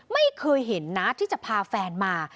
ไม่เคยเห็นนะที่จะพาแฟนมา